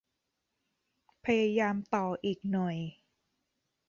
พยายามต่ออีกหน่อย